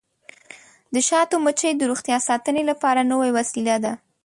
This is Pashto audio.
د شاتو مچۍ د روغتیا ساتنې لپاره نوې وسیله ده.